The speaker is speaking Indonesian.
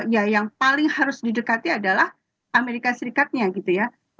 ya yang paling harus didekati adalah amerika serikatnya gitu ya